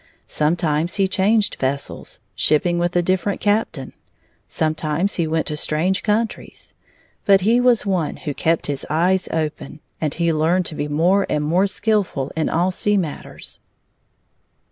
Sometimes he changed vessels, shipping with a different captain. Sometimes he went to strange countries. But he was one who kept his eyes open, and he learned to be more and more skilful in all sea matters.